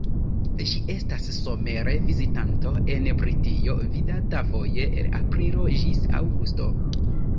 Ĝi estas somere vizitanto en Britio, vidata foje el aprilo ĝis aŭgusto.